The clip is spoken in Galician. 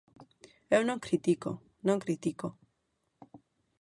Eu non critico, non critico.